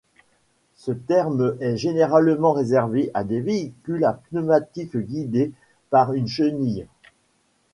Ce terme est généralement réservé à des véhicules à pneumatiques guidés par une chenille.